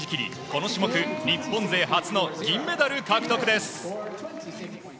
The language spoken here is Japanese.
この種目日本勢初の銀メダル獲得です。